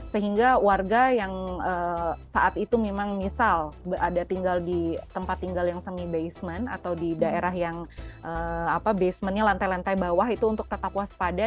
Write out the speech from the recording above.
sehingga warga yang saat itu memang misal ada tinggal di tempat tinggal yang semi basement atau di daerah yang basementnya lantai lantai bawah itu untuk tetap waspada